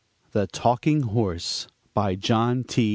THE TALKING HORSE BY JOHN T.